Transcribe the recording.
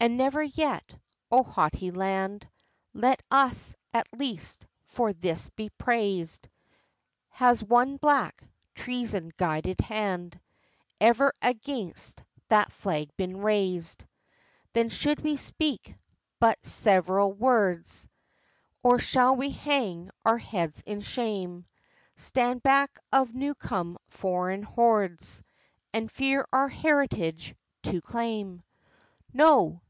And never yet O haughty Land, Let us, at least, for this be praised Has one black, treason guided hand Ever against that flag been raised. Then should we speak but servile words, Or shall we hang our heads in shame? Stand back of new come foreign hordes, And fear our heritage to claim? No!